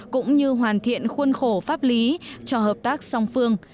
cũng như hoàn thiện khuôn khổ pháp lý cho hợp tác song phương